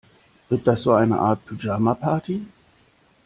Wird das so eine Art Pyjama-Party?